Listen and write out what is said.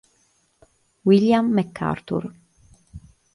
William McArthur